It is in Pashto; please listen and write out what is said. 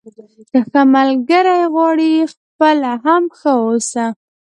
که ښه ملګری غواړئ خپله هم ښه واوسه.